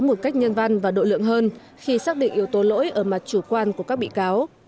một cách nhân văn và đội lượng hơn khi xác định yếu tố lỗi ở mặt chủ quan của các bị cáo